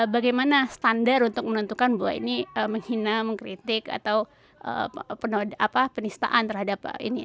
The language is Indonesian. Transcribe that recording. bagaimana standar untuk menentukan bahwa ini menghina mengkritik atau penistaan terhadap ini